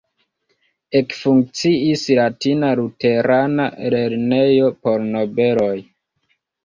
Ekfunkciis latina luterana lernejo por nobeloj.